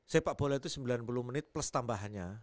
sepak bola itu sembilan puluh menit plus tambahannya